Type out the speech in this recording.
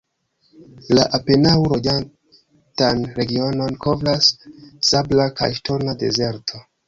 La apenaŭ loĝatan regionon kovras sabla kaj ŝtona dezerto.